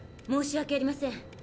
申し訳ありません。